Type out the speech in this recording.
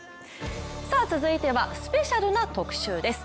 続いてはスペシャルな特集です。